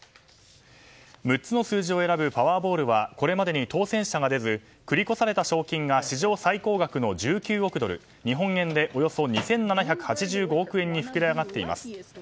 ６つの数字を選ぶパワーボールはこれまでに当せん者が出ず繰り越された賞金が史上最高額の１９億ドル日本円でおよそ２７８５億円に膨れ上がっています。